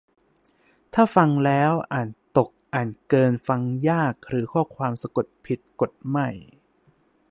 - ถ้าฟังแล้ว อ่านตก อ่านเกิน ฟังยาก หรือข้อความสะกดผิด กด "ไม่"